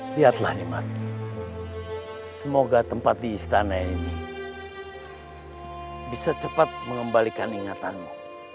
lihatlah nih mas semoga tempat di istana ini bisa cepat mengembalikan ingatanmu